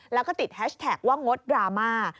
แล้วก็ติดแฮชแท็กว่างดดราม่า